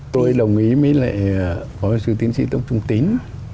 tôi đồng ý với lại phó bác sư tiến sĩ tông trung tín